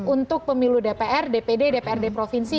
untuk pemilu dpr dpd dprd provinsi